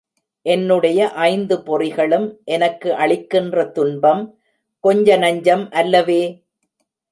என்னுடைய ஐந்து பொறிகளும் எனக்கு அளிக்கின்ற துன்பம் கொஞ்சநஞ்சம் அல்லவே!